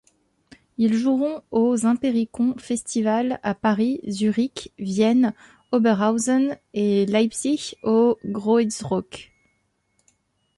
Ils joueront aux Impericon Festivals à Paris, Zurich, Vienne, Oberhausen et Leipzig au Groezrock.